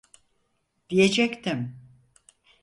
Diyecektim...